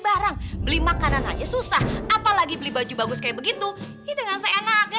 barang beli makanan aja susah apalagi beli baju bagus kayak begitu hidangan seenaknya